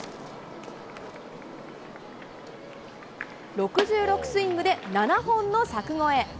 ６６スイングで７本の柵越え。